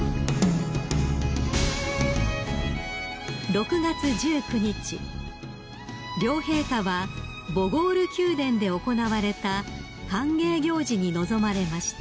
［６月１９日両陛下はボゴール宮殿で行われた歓迎行事に臨まれました］